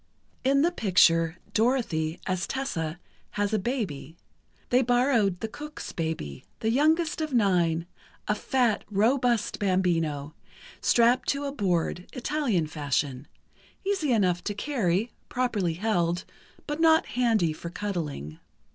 In the picture, Dorothy, as Tessa, has a baby. They borrowed the cook's baby, the youngest of nine, a fat, robust bambino, strapped to a board, Italian fashion; easy enough to carry, properly held, but not handy for cuddling.